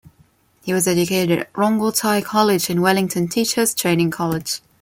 He was educated at Rongotai College and Wellington Teacher's Training College.